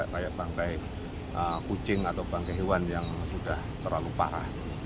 kayak kucing atau bangke hewan yang sudah terlalu parah